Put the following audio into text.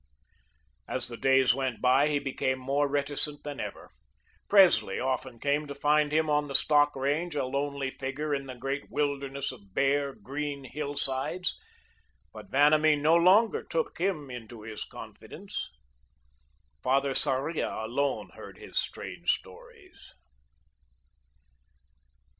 As the days went by, he became more reticent than ever. Presley often came to find him on the stock range, a lonely figure in the great wilderness of bare, green hillsides, but Vanamee no longer took him into his confidence. Father Sarria alone heard his strange stories.